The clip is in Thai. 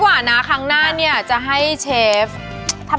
สวยหน้าสดด้วยอโวคาโดครับ